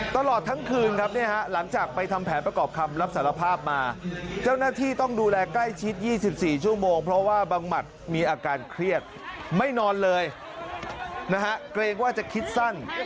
ตลอดทั้งคืนครับเนี่ยฮะหลังจากไปทำแผนประกอบคำรับสารภาพมาเจ้าหน้าที่ต้องดูแลใกล้ชิด๒๔ชั่วโมงเพราะว่าบังหมัดมีอาการเครียดไม่นอนเลยนะฮะเกรงว่าจะคิดสั้น